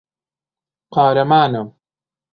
قارەمانە.